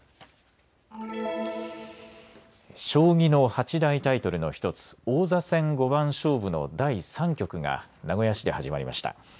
将棋の八大タイトルの１つ、王座戦五番勝負の第３局が名古屋市で始まりました。